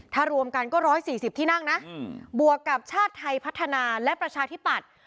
ถ้ารวมกันก็๑๔๐ที่นั่งนะบวกกับชาติไทยพัฒนาและประชาธิปัตย์